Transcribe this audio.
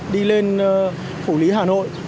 đi lên phủ lý hà nội